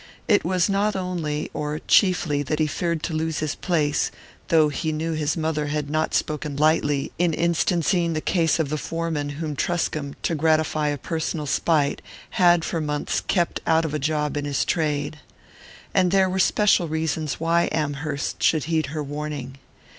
It was not only, or chiefly, that he feared to lose his place; though he knew his mother had not spoken lightly in instancing the case of the foreman whom Truscomb, to gratify a personal spite, had for months kept out of a job in his trade. And there were special reasons why Amherst should heed her warning.